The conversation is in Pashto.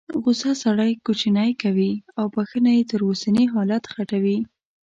غوسه سړی کوچنی کوي او بخښنه یې تر اوسني حالت غټوي.